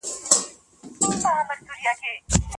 ښوونکی باید د لغتونو په زده کړه کي مرسته وکړي.